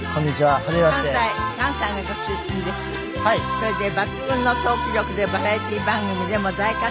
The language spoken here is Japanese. それで抜群のトーク力でバラエティー番組でも大活躍。